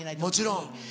もちろん。